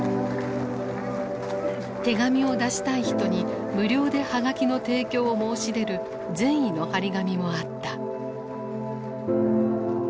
手紙を出したい人に無料で葉書の提供を申し出る善意の貼り紙もあった。